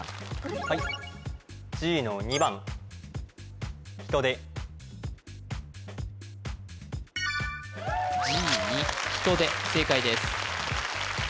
はいＧの２番Ｇ２ひとで正解です